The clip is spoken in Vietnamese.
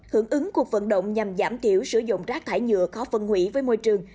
hưởng ứng cuộc vận động nhằm giảm thiểu sử dụng rác thải nhựa khó phân hủy với môi trường